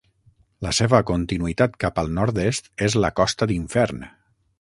La seva continuïtat cap al nord-est és la Costa d'Infern.